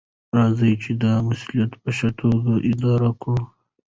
راځئ چې دا مسؤلیت په ښه توګه ادا کړو.